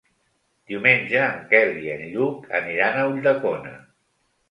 Diumenge en Quel i en Lluc aniran a Ulldecona.